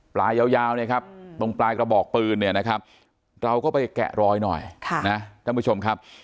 ยาวเนี่ยครับตรงปลายกระบอกปืนเนี่ยนะครับเราก็ไปแกะรอยหน่อยนะท่านผู้ชมครับ